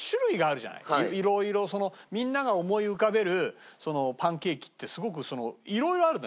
色々みんなが思い浮かべるパンケーキってすごく色々あるのよ。